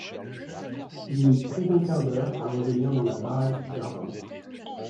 Il mit près d'un quart d'heure à revenir dans la baraque du jardin.